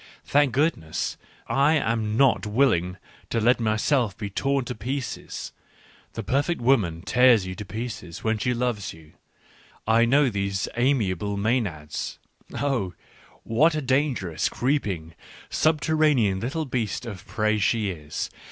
Thank goodness I am not willing to let myself be torn to pieces ! the perfect woman tears you to pieces when she loves you : I know these amiable Maenads. ... Oh! what a dangerous, creeping, subterranean little beast of prey she is!